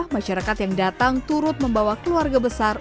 masyarakat yang datang turut membawa keluarga besar